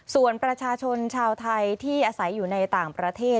ส่วนประชาชนชาวไทยที่อาศัยอยู่ในต่างประเทศ